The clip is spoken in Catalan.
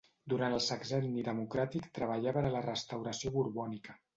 Durant el sexenni democràtic treballà per a la restauració borbònica.